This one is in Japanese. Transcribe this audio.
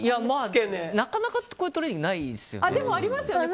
なかなかここのトレーニングはないですよね。